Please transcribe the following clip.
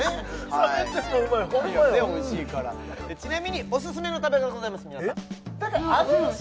冷めてもうまいホンマやいやねおいしいからちなみにオススメの食べ方がございます